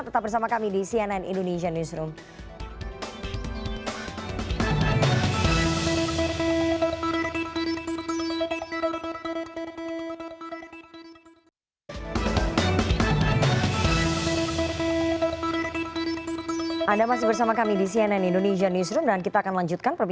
tetap bersama kami di cnn indonesian newsroom